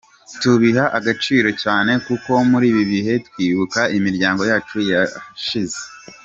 Tubiha agaciro cyane kuko muri ibi bihe twibuka imiryango yacu yashize.